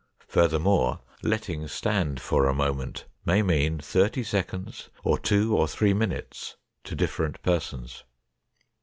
Furthermore, "letting stand for a moment" may mean thirty seconds or two or three minutes to different persons.